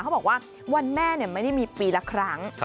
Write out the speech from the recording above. บอกว่าวันแม่ไม่ได้มีปีละครั้ง